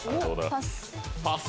パス。